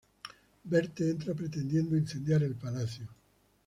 Berthe entra pretendiendo incendiar el palacio.